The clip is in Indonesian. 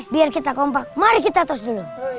biar kita kompak mari kita tos dulu